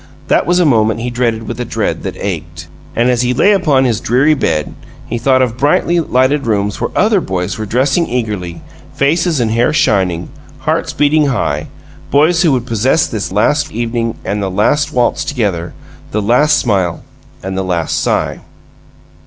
That was a moment he dreaded with a dread that ached. And as he lay on his dreary bed he thought of brightly lighted rooms where other boys were dressing eagerly faces and hair shining, hearts beating high boys who would possess this last evening and the "last waltz together," the last smile and the last sigh.